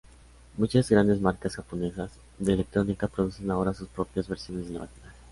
Muchas grandes marcas japonesas de electrónica producen ahora sus propias versiones de la máquina.